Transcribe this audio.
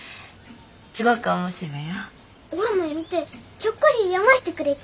すごく面白いわよ。